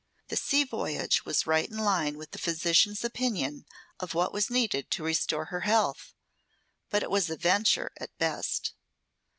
The sea voyage was right in line with the physician's opinion of what was needed to restore her health; but it was a venture at best.